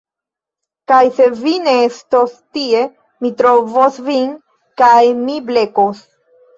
Kaj se vi ne estos tie mi trovos vin kaj mi blekos